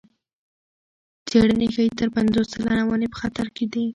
څېړنې ښيي تر پنځوس سلنه ونې په خطر کې دي.